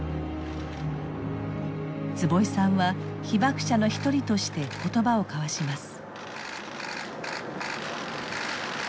坪井さんは被爆者の一人として言葉を交わします。